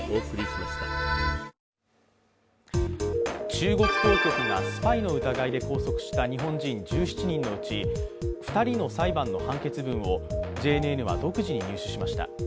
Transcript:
中国当局がスパイの疑いで拘束した日本人１７人のうち、２人の裁判の判決文をＪＮＮは独自に入手しました。